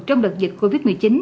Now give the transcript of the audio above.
trong đợt dịch covid một mươi chín